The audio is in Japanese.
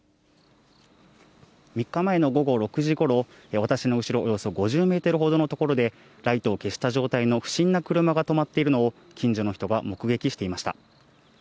３日前の午後６時ごろ、私の後ろ、およそ５０メートルほどの所で、ライトを消した状態の不審な車が止まっているのを、近所の人が目撃していました。